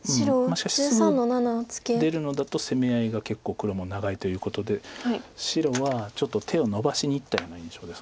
しかしすぐ出るのだと攻め合いが結構黒も長いということで白はちょっと手をのばしにいったような印象です。